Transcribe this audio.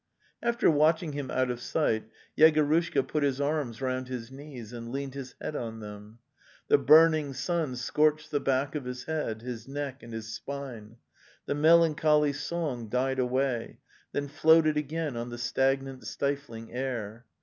The Steppe 181 After watching him out of sight, Yegorushka put his arms round his knees and leaned his head on them. ... The burning sun scorched the back of his head, his neck, and his spine. The melancholy song died away, then floated again on the stagnant stifling air.